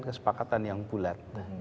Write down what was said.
kesepakatan yang bulat